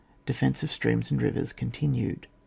DEFENCE OF STSEAMS AND RIYERS (ooktinusd.)